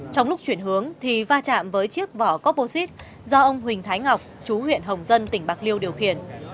trong lúc chuyển hướng thì va chạm với chiếc vỏ coposite do ông huỳnh thái ngọc chú huyện hồng dân tỉnh bạc liêu điều khiển